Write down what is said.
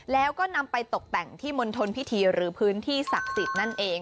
แล้วก็นำไปตกแต่งที่มณฑลพิธีหรือพื้นที่ศักดิ์สิทธิ์นั่นเอง